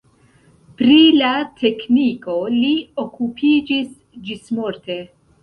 Pri la tekniko li okupiĝis ĝismorte.